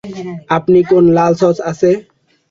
আপনি কোন লাল সস আছে?